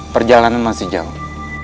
perjalanan masih jauh